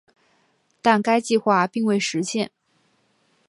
但该计划并未实现。